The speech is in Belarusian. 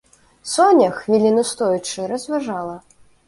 Соня, хвіліну стоячы, разважала.